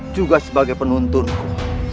juga sebagai penuntunku